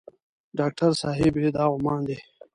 ډاکټر صاحبې دا عمان دی.